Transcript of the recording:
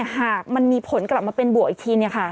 หากมันมีผลกลับมาเป็นบวกอีกที